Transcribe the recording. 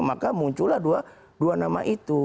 maka muncullah dua nama itu